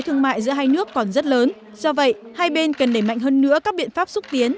thương mại giữa hai nước còn rất lớn do vậy hai bên cần đẩy mạnh hơn nữa các biện pháp xúc tiến